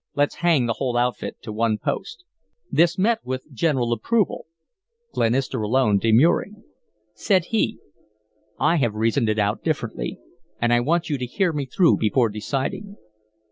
Let's hang the whole outfit to one post." This met with general approval, Glenister alone demurring. Said he: "I have reasoned it out differently, and I want you to hear me through before deciding.